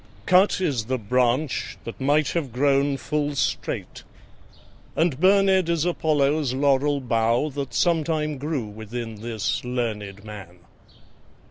Cut is the branch that might have grown full straight, And burned is Apollo's laurel bough, That sometime grew within this learned man.